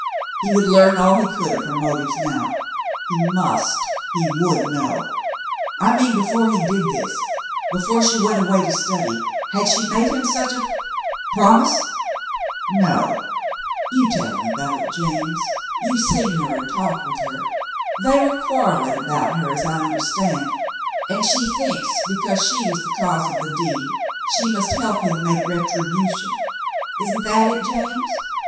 He would learn all he could of her motives now. He must — he would know. "I mean before he did this, before she went away to study — had she made him such a — promise ?" "No. You tell him about it, James. You have seen her and talked with her. They were quarrelling about her, as I understand, and she thinks because she was the cause of the deed she must help him make retribution. Isn't that it, James ?